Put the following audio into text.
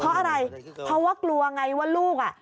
เพราะอะไรเพราะว่ากลัวไงว่าลูกอ่ะ